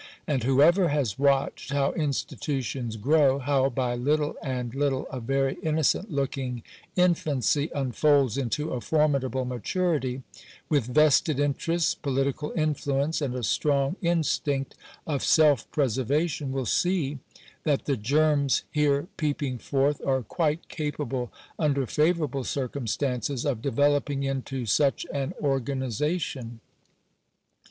And whoever has watched how institutions grow — how by little and little a very innocent looking infancy unfolds into a formidable maturity, with vested interests, political influence, and a strong instinct of self preservation, will see that the germs here peeping forth are quite capable, under favourable circumstances, of developing into such an organization.